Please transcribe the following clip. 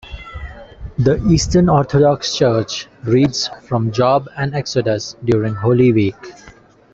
The Eastern Orthodox Church reads from Job and Exodus during Holy Week.